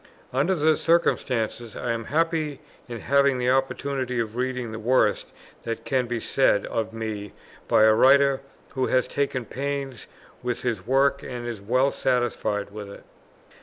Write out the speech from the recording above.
Under the circumstances I am happy in having the opportunity of reading the worst that can be said of me by a writer who has taken pains with his work and is well satisfied with it.